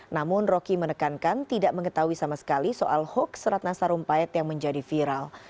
namun roky menekankan tidak mengetahui sama sekali soal hoax ratna sarumpayat yang menjadi viral